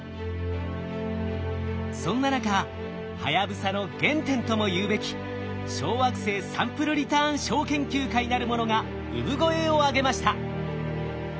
そんな中はやぶさの原点ともいうべき小惑星サンプルリターン小研究会なるものが産声を上げました。